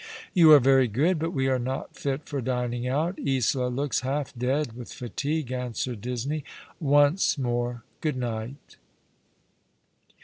" You are very good, but we are not tit for dining out. Isola looks half dead with fatigue," answered Disney. " Once more, good night."